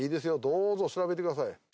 どうぞ調べてください